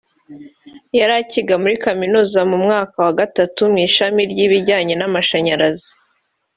yari acyiga muri Kaminuza mu mwaka wa gatatu mu ishami ry’ibijyanye n’amashanyarazi